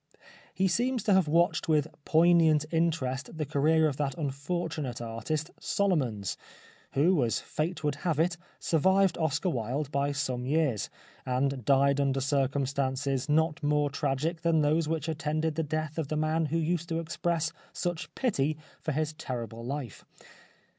He seems to have watched with poignant in terest the career of that unfortunate artist Solomons, who, as Fate would have it, survived Oscar Wilde by some years, and died under circumstances not more tragic than those which attended the death of the man who used to express such pity for his terrible life.